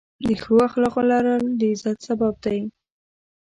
د ښو اخلاقو لرل، د عزت سبب دی.